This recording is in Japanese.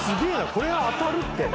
これ当たるって。